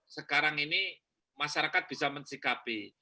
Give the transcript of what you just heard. sekarang ini masyarakat bisa mensikapi